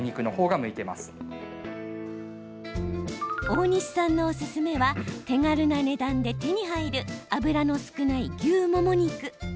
大西さんのおすすめは手軽な値段で手に入る脂の少ない牛もも肉。